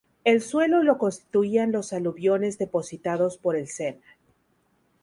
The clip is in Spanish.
El suelo lo constituían los aluviones depositados por el Sena.